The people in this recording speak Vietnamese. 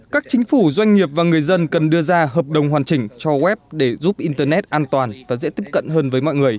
các chính phủ doanh nghiệp và người dân cần đưa ra hợp đồng hoàn chỉnh cho web để giúp internet an toàn và dễ tiếp cận hơn với mọi người